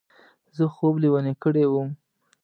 زه خوب لېونی کړی وم.